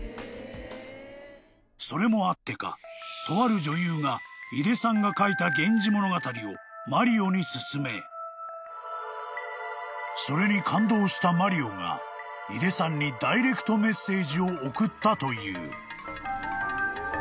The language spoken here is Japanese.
［それもあってかとある女優が井出さんが描いた『源氏物語』をマリオに薦めそれに感動したマリオが井出さんにダイレクトメッセージを送ったという］